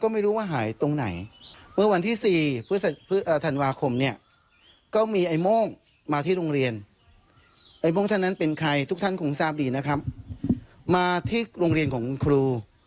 มาที่โรงเรียนของคุณครู